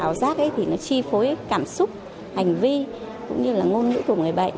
ảo sát thì nó chi phối cảm xúc hành vi cũng như là ngôn ngữ của người bệnh